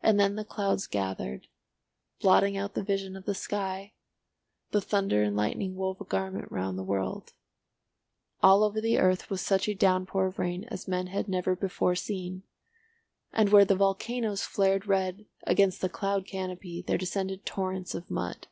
And then the clouds gathered, blotting out the vision of the sky, the thunder and lightning wove a garment round the world; all over the earth was such a downpour of rain as men had never before seen, and where the volcanoes flared red against the cloud canopy there descended torrents of mud.